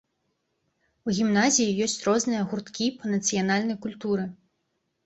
У гімназіі ёсць розныя гурткі па нацыянальнай культуры.